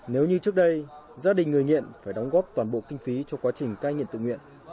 nếu như trước đây gia đình người nghiện phải đóng góp toàn bộ kinh phí cho quá trình cai nghiện tự nguyện